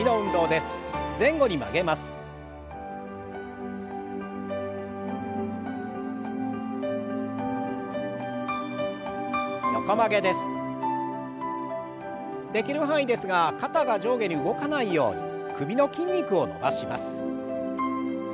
できる範囲ですが肩が上下に動かないように首の筋肉を伸ばします。